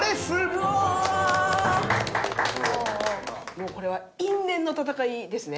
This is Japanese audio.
もうこれは因縁の戦いですね。